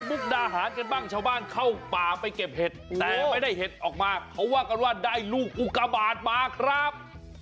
ดาหารกันบ้างชาวบ้านเข้าป่าไปเก็บเห็ดแต่ไม่ได้เห็ดออกมาเขาว่ากันว่าได้ลูกอุกาบาทมาครับ